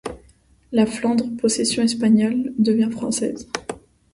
La Flandre, possession espagnole, devient française.